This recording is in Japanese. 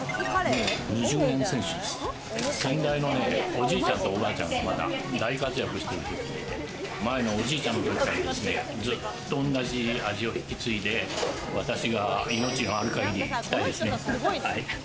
先代のおじいちゃんとおばあちゃんがまだ大活躍してる時で、前のおじいちゃんの時から、ずっと同じ味を引き継いで私が命がある限り来たいですね。